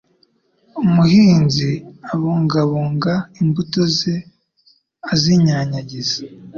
Umuhinzi abungabunga imbuto ze azinyanyagiza.